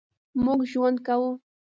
مونږ ژوند کوو